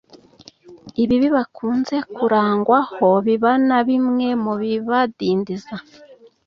ibibi bakunze kurangwaho biba na bimwe mu bibadindiza